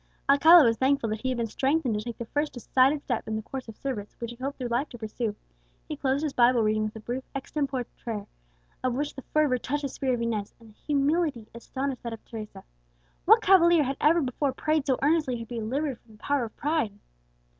Alcala was thankful that he had been strengthened to take the first decided step in the course of service which he hoped through life to pursue. He closed his Bible reading with a brief extempore prayer, of which the fervour touched the spirit of Inez, and the humility astonished that of Teresa. What cavalier had ever before prayed so earnestly to be delivered from the power of pride!